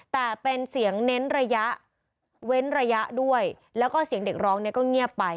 แต่เป็นเสียงเน้นระยะเว้นระยะด้วยแล้วก็เสียงเด็กร้องเนี่ยก็เงียบไป